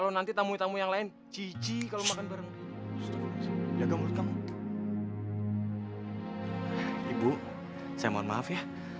udah kita langsung makan di sini